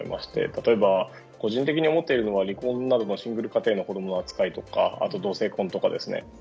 例えば、個人的に思ってるのは離婚などのシングル家庭の子供の扱いとかあとは同性婚とかですね。